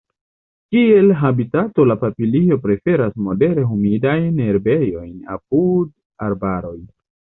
Kiel habitato la papilio preferas modere humidajn herbejojn apud arbaroj.